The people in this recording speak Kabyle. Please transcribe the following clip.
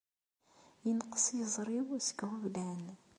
Inqes yeẓri-w seg iɣeblan.